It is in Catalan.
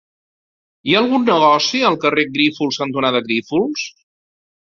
Hi ha algun negoci al carrer Grífols cantonada Grífols?